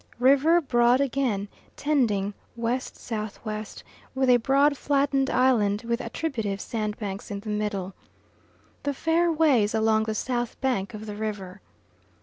River broad again tending W.S.W., with a broad flattened island with attributive sandbanks in the middle. The fair way is along the south bank of the river.